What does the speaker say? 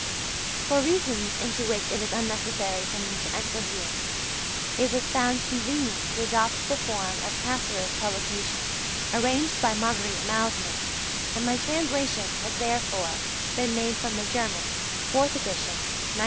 For reasons into which it is unnecessary for me to enter here, it was found convenient to adopt the form of Cassirer's publication arranged by Margarete Mauthner, and my translation has therefore been made from the German (Fourth Edition, 1911).